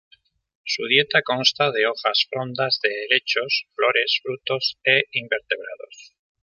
Su dieta consta de hojas, frondas de helechos, flores, frutos e invertebrados.